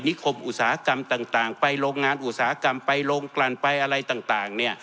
คมอุตสาหกรรมต่างไปโรงงานอุตสาหกรรมไปโรงกลั่นไปอะไรต่าง